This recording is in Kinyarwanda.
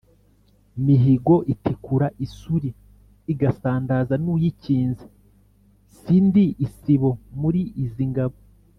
Mihigo itikura isuli igasandaza n'uyikinze, si ndi isibo muli izi ngabo